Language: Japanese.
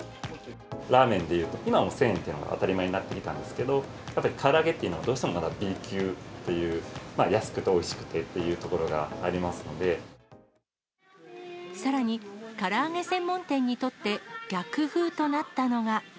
ラーメンでいうと今は１０００円というのが当たり前になってきたんですけど、やっぱりから揚げっていうのはどうしてもまだＢ級っていう、安くておいしさらに、から揚げ専門店にとって逆風となったのが。